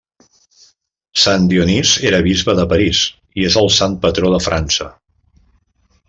Sant Dionís era Bisbe de París i és el Sant patró de França.